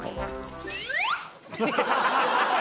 ・ハハハハハ